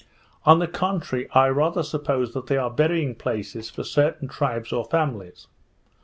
On the contrary, I rather suppose that they are burying places for certain tribes or families.